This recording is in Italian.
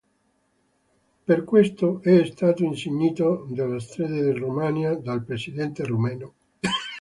Per questo è stato insignito della Stella di Romania dal presidente rumeno.